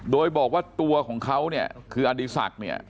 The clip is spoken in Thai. โดยบอกว่าตัวของเขาเนี่ยคืออดีศักดิ์เนี่ย